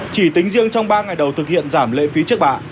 chỉ tính riêng trong ba ngày đầu thực hiện giảm lệ phí trước bạ